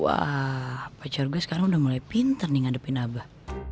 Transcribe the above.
wah pacar gue sekarang udah mulai pinter nih ngadepin abah